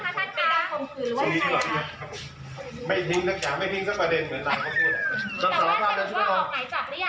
คุณคิดว่ามากกว่า๑คนชัดทางลองครับคุณร้ายตอนนี้